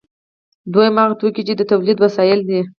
دویم هغه توکي دي چې د تولید وسایل دي.